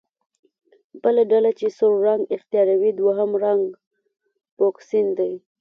بله ډله چې سور رنګ اختیاروي دویم رنګ فوکسین دی.